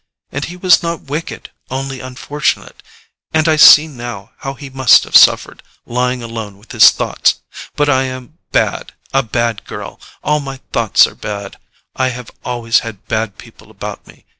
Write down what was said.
And he was not wicked, only unfortunate—and I see now how he must have suffered, lying alone with his thoughts! But I am bad—a bad girl—all my thoughts are bad—I have always had bad people about me.